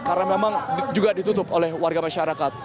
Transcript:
karena memang juga ditutup oleh warga masyarakat